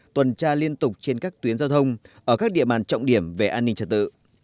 tuần tra liên tục trên các tuyến giao thông ở các địa bàn trọng điểm về an ninh trật tự